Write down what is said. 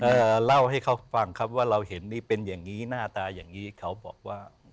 เล่าให้เขาฟังครับว่าเราเห็นนี่เป็นอย่างงี้หน้าตาอย่างนี้เขาบอกว่า